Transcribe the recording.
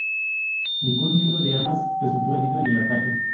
Ningún miembro de Hamás resultó herido en el ataque.